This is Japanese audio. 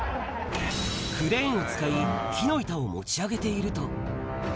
クレーンを使い、木の板を持ち上げていると。